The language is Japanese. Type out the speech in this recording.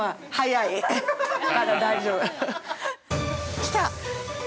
◆来た！